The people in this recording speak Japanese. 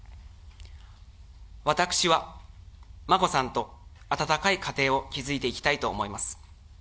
私は眞子さんと温かい家庭を築いていきたいと思います。